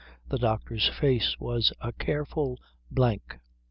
The doctor's face was a careful blank.